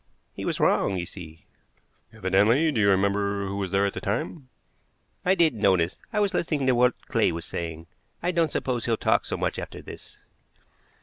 He was wrong, you see." "Evidently. Do you remember who was there at the time?" "I didn't notice. I was listening to what Clay was saying. I don't suppose he'll talk so much after this."